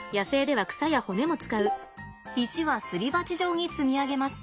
石はすり鉢状に積み上げます。